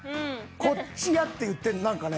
「こっちや」って言って何かね